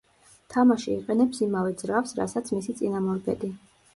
თამაში იყენებს იმავე ძრავს, რასაც მისი წინამორბედი.